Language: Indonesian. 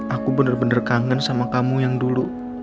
aku bener bener kangen sama kamu yang dulu